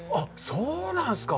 そうなんですか。